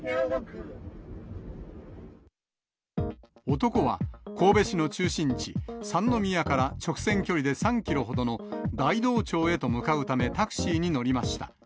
男は神戸市の中心地、三宮から直線距離で３キロほどの大同町へと向かうため、タクシーに乗りました。